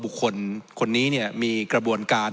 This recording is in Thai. บุคคลคนนี้มีกระบวนการ